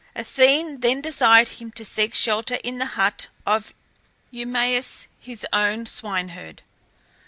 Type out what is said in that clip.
Athene then desired him to seek shelter in the hut of Eumaeus his own swine herd.